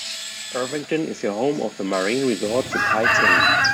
Irvington is the home of the marine resort The Tides Inn.